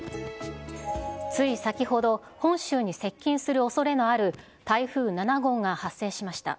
つい先ほど、本州に接近するおそれのある台風７号が発生しました。